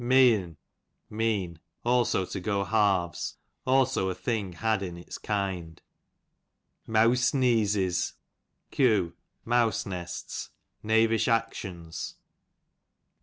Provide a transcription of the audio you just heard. Meeon, tnean ; also to go halves ; slIso a thing had in its kind. Meawse neezes, q. mouse nests^ knavish actions.